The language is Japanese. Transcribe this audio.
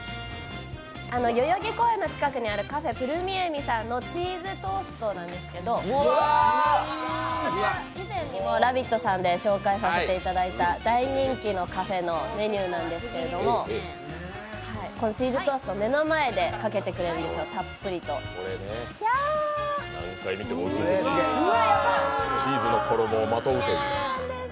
代々木公園の近くにあるカフェ、プルミエメさんのチーズトーストなんですけど以前にも「ラヴィット！」さんで紹介させていただいた大人気のカフェのメニューなんですけれども、チーズトースト、目の前でかけてくれるんですよ、たっぷりと何回見てもおいしそう、チーズの衣をまとうという。